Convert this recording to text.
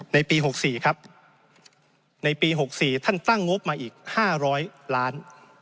ในปีหกสี่ครับในปีหกสี่ท่านตั้งงบมาอีกห้าร้อยล้าน